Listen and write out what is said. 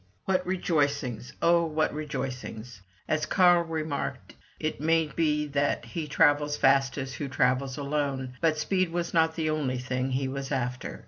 What rejoicings, oh, what rejoicings! As Carl remarked, it may be that "He travels fastest who travels alone"; but speed was not the only thing he was after.